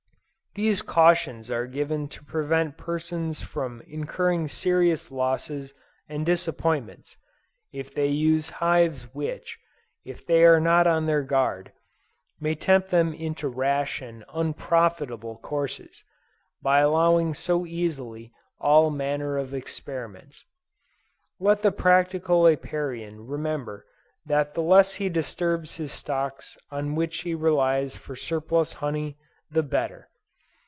These cautions are given to prevent persons from incurring serious losses and disappointments, if they use hives which, if they are not on their guard, may tempt them into rash and unprofitable courses, by allowing so easily of all manner of experiments. Let the practical Apiarian remember that the less he disturbs the stocks on which he relies for surplus honey, the better.